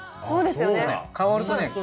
そうですよね。